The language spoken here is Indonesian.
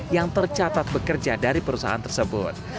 yang tercatat bekerja dari perusahaan tersebut